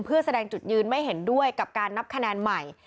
เพื่อแสดงจุดยืนไม่เห็นด้วยกับการนับคะแนนใหม่